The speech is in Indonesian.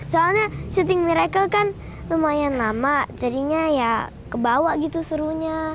soalnya syuting miracle kan lumayan lama jadinya ya kebawa gitu serunya